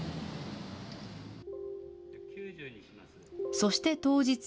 そして当日。